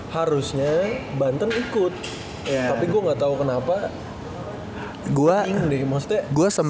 harusnya banten ikut tapi gue gak tau kenapa